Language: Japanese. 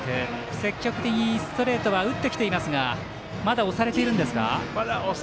積極的にストレートは打ってきていますがまだ押されてますね。